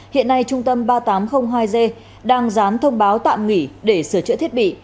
hiện nay trung tâm ba nghìn tám trăm linh hai g đang dán thông báo tạm nghỉ để sửa chữa thiết bị